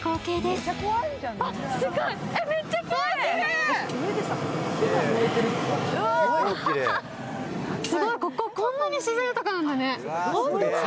すごい、こここんなに自然豊かなんだね。